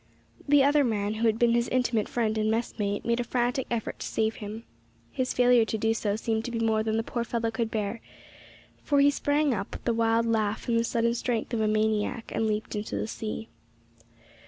The other man, who had been his intimate friend and messmate, made a frantic effort to save him. His failure to do so seemed to be more than the poor fellow could bear, for he sprang up with the wild laugh and the sudden strength of a maniac, and leaped into the sea.